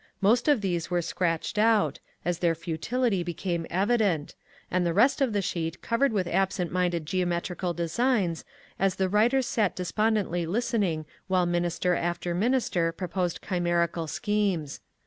Most of these were scratched out, as their futility became evident, and the rest of the sheet covered with absent minded geometrical designs, as the writers sat despondently listening while Minister after Minister proposed chimerical schemes.